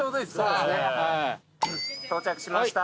到着しました。